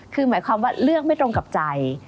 คือหมายความว่าเลือกไม่ตรงกับใจ